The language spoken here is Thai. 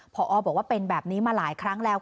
พอบอกว่าเป็นแบบนี้มาหลายครั้งแล้ว